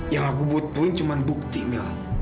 yang aku butuhin cuma bukti mil